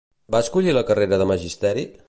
Va escollir la carrera de Magisteri?